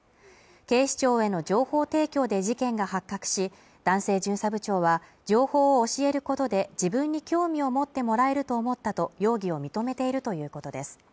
警視庁への情報提供で事件が発覚し男性巡査部長は情報を教えることで自分に興味を持ってもらえると思ったと容疑を認めているということです